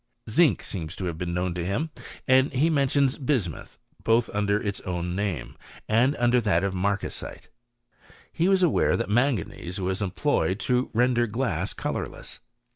Zinc seems to have been known to him, and he mentions bismuth, both under its own name, and under that of marcasite. He was aware that manganese was em ployed to render glass colourless.